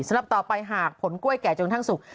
สำหรับต่อไปหากผลกล้วยแก่จนทั้งสุก